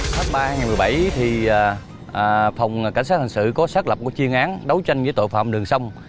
phát ba ngày một mươi bảy phòng cảnh sát hành sự có xác lập một chiên án đấu tranh với tội phạm đường sông